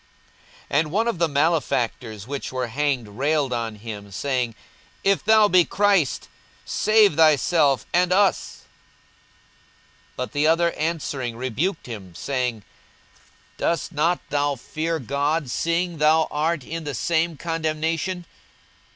42:023:039 And one of the malefactors which were hanged railed on him, saying, If thou be Christ, save thyself and us. 42:023:040 But the other answering rebuked him, saying, Dost not thou fear God, seeing thou art in the same condemnation?